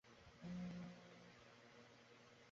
এতকাল তাহার সন্তানাদি হয় নাই, হইবার বিশেষ আশাও ছিল না।